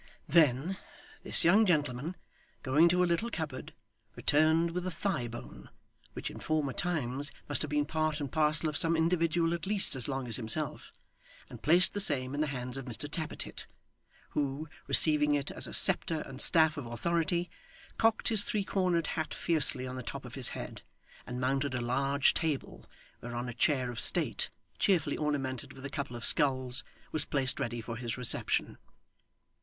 Then, this young gentleman, going to a little cupboard, returned with a thigh bone, which in former times must have been part and parcel of some individual at least as long as himself, and placed the same in the hands of Mr Tappertit; who, receiving it as a sceptre and staff of authority, cocked his three cornered hat fiercely on the top of his head, and mounted a large table, whereon a chair of state, cheerfully ornamented with a couple of skulls, was placed ready for his reception.